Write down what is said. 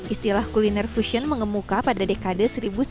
istilah kuliner fusion mengemuka pada dekade seribu sembilan ratus delapan puluh